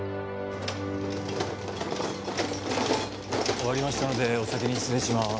終わりましたのでお先に失礼します。